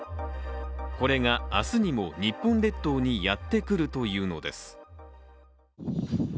これが明日にも日本列島にやってくるというのです。